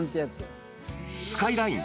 スカイライン